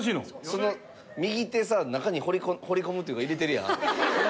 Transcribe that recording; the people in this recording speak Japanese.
その右手さ中に放り込むっていうか入れてるやん。